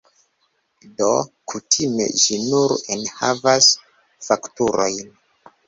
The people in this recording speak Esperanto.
Do, kutime ĝi nur enhavas fakturojn.